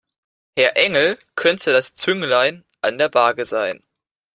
Herr Engel könnte das Zünglein an der Waage sein.